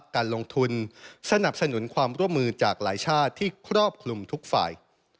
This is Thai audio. การลงทุนสนับสนุนความร่วมมือจากหลายชาติที่ครอบคลุมทุกฝ่าย